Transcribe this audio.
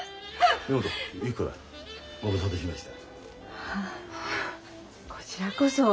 はあこちらこそ。